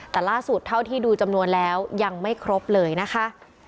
แต่ล่าสุดเท่าที่ดูจำนวนแล้วยังไม่ครบเลยนะคะ